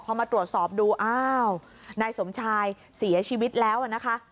พอมาตรวจสอบดูอ้าวนายสมชายเสียชีวิตแล้วนะคะ